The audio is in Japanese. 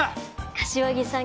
柏木さん